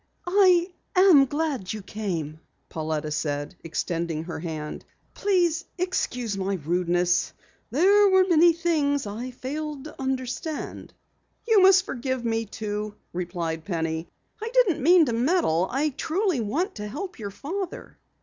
"I am glad you came," Pauletta said, extending her hand. "Please excuse my rudeness. There were so many things I failed to understand." "You must forgive me, too," replied Penny. "I didn't mean to meddle. I truly want to help your father."